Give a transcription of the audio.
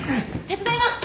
手伝います！